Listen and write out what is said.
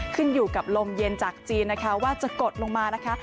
ขึ้นอยู่กับลมเย็นจากจีนนะคะว่าจะกดลงมานะคะ